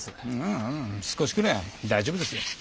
ああ少しくらい大丈夫ですよ。